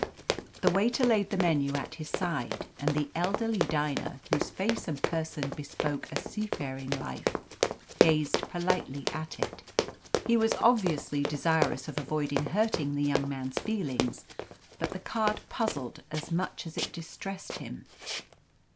The waiter laid the menu at his side, and the elderly diner, whose face and person bespoke a seafaring life, gazed politely at it. He was obviously desirous of avoiding hurting the young man's feelings, but the card puzzled as much as it distressed him.